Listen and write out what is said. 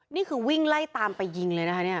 นี่คือวิ่งไล่ตามเกิดไปยิงเลยครับ